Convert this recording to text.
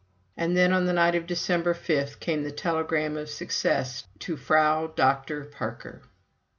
And then, on the night of December 5, came the telegram of success to "Frau Dr. Parker."